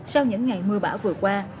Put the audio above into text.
sau những ngày mưa bão vừa qua